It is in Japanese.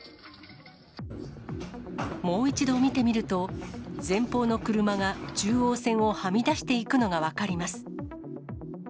もう一度見てみると、前方の車が中央線をはみ出していくのが分かります。